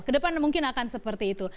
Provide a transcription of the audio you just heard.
kedepan mungkin akan seperti itu